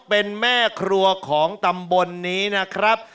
เป็นแม่ครัวของตำบลนี้นะครับ